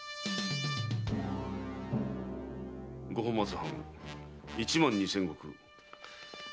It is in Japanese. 五本松藩一万二千石千吉